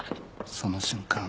その瞬間